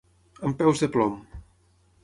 Amb peus de plom.